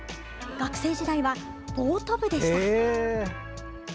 学生時代は、ボート部でした。